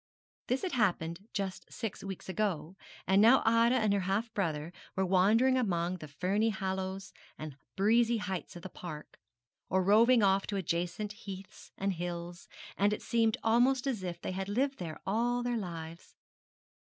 This had happened just six weeks ago, and now Ida and her half brother were wandering about among the ferny hollows and breezy heights of the park, or roving off to adjacent heaths and hills, and it seemed almost as if they had lived there all their lives.